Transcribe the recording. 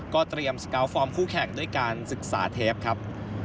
เตรียมสกาลฟอร์มคู่แข่งด้วยการศึกษาเทปครับ